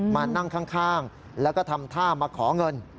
มานั่งข้างแล้วก็ทำท่ามาขอเงิน